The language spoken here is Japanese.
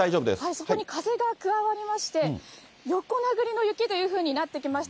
そこに風が加わりまして、横殴りの雪というふうになってきました。